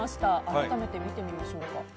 改めて見てみましょうか。